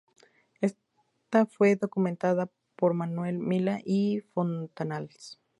Esta fue documentada por Manuel Milá y Fontanals.